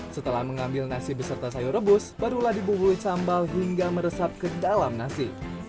setelah mengambil nasi beserta sayur rebus barulah dibubui sambal hingga meresap ke dalam nasi